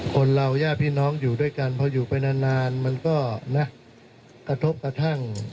คนเราย่าพี่น้องอยู่ด้วยกันพออยู่ไปนานมันก็นะกระทบกระทั่ง